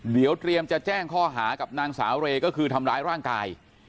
เดี๋ยวเตรียมจะแจ้งข้อหากับนางสาวเรก็คือทำร้ายร่างกาย